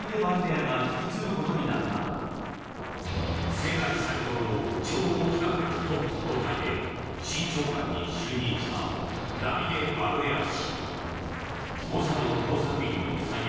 世界最恐の諜報機関のトップ交代で新長官に就任したダビデ・バルネア氏。